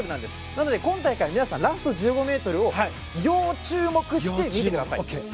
なので今大会は皆さんラスト１５ｍを要注目して見てください。